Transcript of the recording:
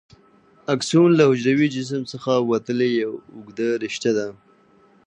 اکسون له حجروي جسم څخه وتلې یوه اوږده رشته ده.